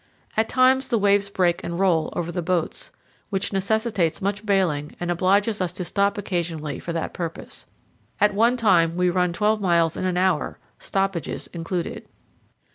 At times the waves break and roll over the boats, which necessitates much bailing and obliges us to stop occasionally for that purpose. At one time we run twelve miles in an hour, stoppages included.